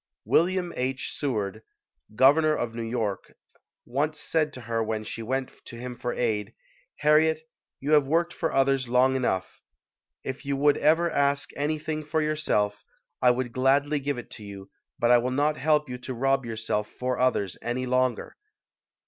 William H. Seward, Governor of New York, once said to her when she went to him for aid, "Harriet, you have worked for others long enough. If you would ever ask anything for your HARRIET TUBMAN [ 97 self, I would gladly give it to you but I will not help you to rob yourself for others any longer".